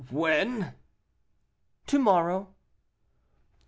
"When?" "To morrow."